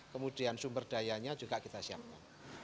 kemudian sumber dayanya juga kita siapkan